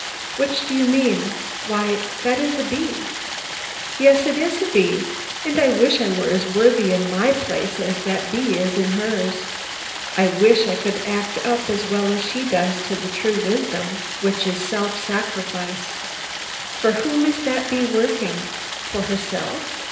Which do you mean? Why, that is a bee. Yes, it is a bee: and I wish I were as worthy in my place as that bee is in hers. I wish I could act up as well as she does to the true wisdom, which is self sacrifice. For whom is that bee working? For herself?